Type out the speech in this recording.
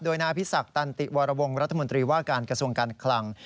โดยนายอภิษักตันติวรวงรัฐมนตรีว่าการกระทรวงการคลัง